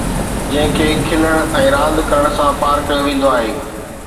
جنهن کي کلڻ ۽ راند ڪرڻ سان پار ڪيو ويندو آهي